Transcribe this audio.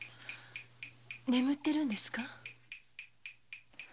眠ってるんですか？